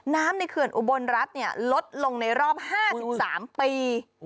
ในเขื่อนอุบลรัฐลดลงในรอบ๕๓ปี